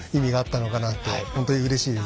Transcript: ほんとにうれしいです。